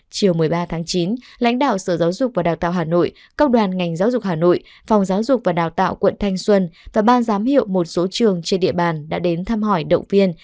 chiều một mươi ba tháng chín lãnh đạo sở giáo dục và đào tạo hà nội công đoàn ngành giáo dục hà nội phòng giáo dục và đào tạo quận thanh xuân và ban giám hiệu một số trường trên địa bàn đã đến thăm hỏi động viên